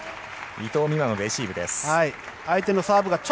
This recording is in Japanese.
伊藤美誠のレシーブです。